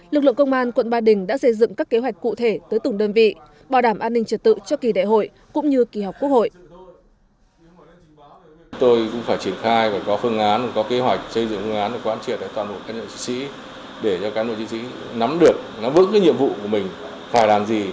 lực lượng công an quận ba đình đã xây dựng các kế hoạch cụ thể tới từng đơn vị bảo đảm an ninh trật tự cho kỳ đại hội cũng như kỳ họp quốc hội